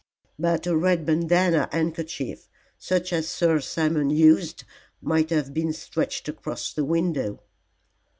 But a red bandana handkerchief such as Sir Simon used might have been stretched across the window.